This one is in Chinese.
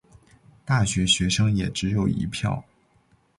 大学学生也只有一票